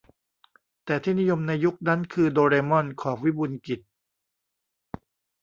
แต่ที่นิยมในยุคนั้นคือโดเรมอน ของวิบูลย์กิจ